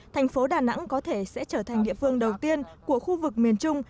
thành phố đà nẵng có thể sẽ trở thành địa phương đầu tiên của khu vực miền trung